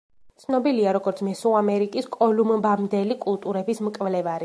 ცნობილია, როგორც მესოამერიკის კოლუმბამდელი კულტურების მკვლევარი.